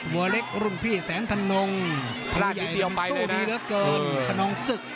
หัวเล็กรุ่นพี่แสนทนงภูใยสู้ดีเหลือเกินทำนองศึก